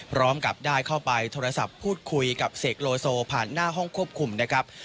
พร้อมกับได้เข้าไปโทรศัพท์พูดคุยกับเสกโลโซผ่านหน้าห้องควบคุมนะครับ